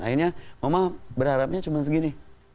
akhirnya mama berharapnya cuma segini